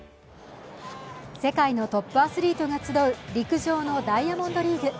世界のトップアスリートが集う陸上のダイヤモンドリーグ。